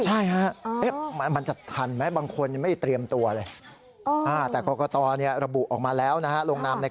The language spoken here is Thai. ใช่ฮะมันจะทันไหมบางคนยังไม่เตรียมตัวเลย